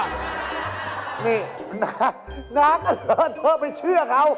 นี่น้าก็เลิกเธอไปเชื่อเขา